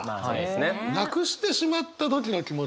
なくしてしまった時の気持ち美村さんは？